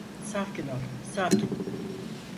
Sakin ol, sakin.